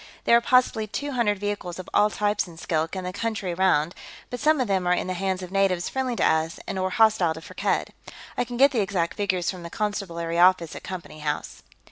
There are possibly two hundred vehicles of all types in Skilk and the country around, but some of them are in the hands of natives friendly to us and or hostile to Firkked. I can get the exact figures from the Constabulary office at Company House."